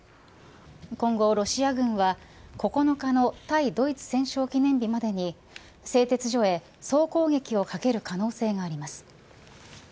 今後ロシア軍は９日の対ドイツ戦勝記念日までに製鉄所へ総攻撃をかける可能性があります。